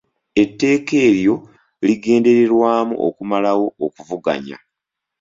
Etteeka eryo ligendererwamu okumalawo okuvuganya.